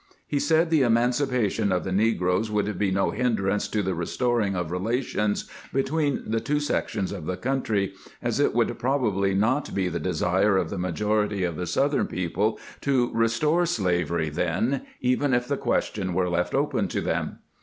He said the emancipation of the negroes would be no hindrance to the restoring of relations between the two sections of the country, as it would probably not be the desire of the majority of the Southern people to restore slavery lihen, even if the question were left open to them.